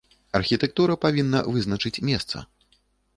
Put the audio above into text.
Архітэктура павінна вызначыць месца.